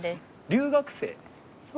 留学生？